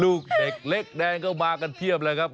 ลูกเด็กเล็กแดงก็มากันเพียบเลยครับ